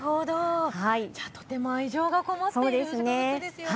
とても愛情がこもっている植物ですよね。